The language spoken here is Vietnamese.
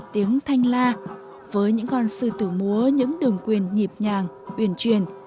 tiếng thanh la với những con sư tử múa những đường quyền nhịp nhàng huyền truyền